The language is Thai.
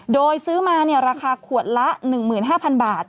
โดยซื้อมาราคาขวดละ๑๕๐๐บาท